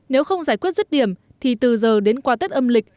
nếu không giải quyết rứt điểm thì từ giờ đến qua tết âm lịch